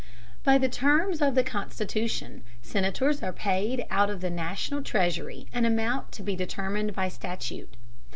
By the terms of the Constitution, Senators are paid out of the national treasury an amount to be determined by statute.